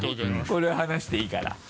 これは話していいから。